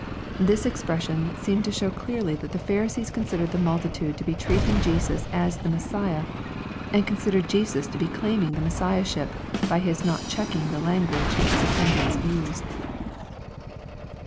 ] This expression seems to show clearly that the Pharisees considered the multitude to be treating Jesus as the Messiah, and considered Jesus to be claiming the Messiah ship by His not checking the language His attendants used.